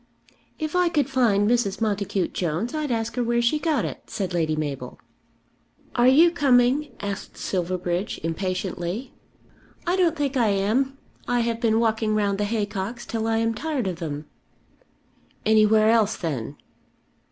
"If I could find Mrs. Montacute Jones I'd ask her where she got it," said Lady Mabel. "Are you coming?" asked Silverbridge impatiently. "I don't think I am. I have been walking round the haycocks till I am tired of them." "Anywhere else then?"